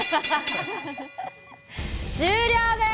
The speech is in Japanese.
終了です！